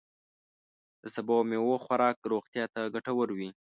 د سبوو او میوو خوراک روغتیا ته ګتور وي.